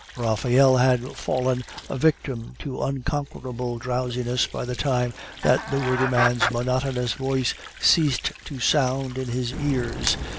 QRaphael had fallen a victim to unconquerable drowsiness by the time that the worthy man's monotonous voice ceased to sound in his ears.